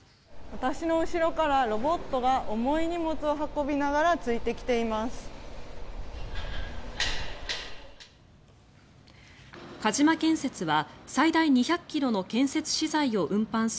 私の後ろからロボットが重い荷物を運びながらついてきています。